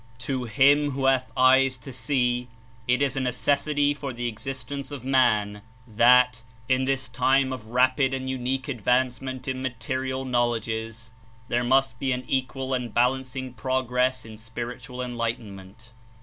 To him who hath eyes to see, it is a necessity for the existence of man that, in this time of rapid and unique advancement in material knowledges, there must be an equal and balancing progress in spiritual enlightenment.